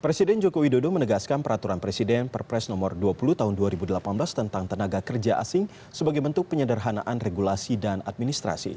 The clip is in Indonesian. presiden joko widodo menegaskan peraturan presiden perpres nomor dua puluh tahun dua ribu delapan belas tentang tenaga kerja asing sebagai bentuk penyederhanaan regulasi dan administrasi